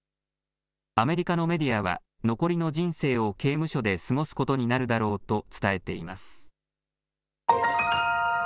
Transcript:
アメリカのメディアは残りの人生を刑務所で過ごすことになるだろうと伝えています。